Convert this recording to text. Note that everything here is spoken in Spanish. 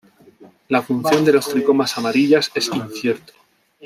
La función de los tricomas amarillas es incierto.